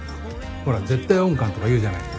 ほら絶対音感とか言うじゃないですか。